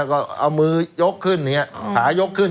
ทำช่วยมือยกขายกขึ้น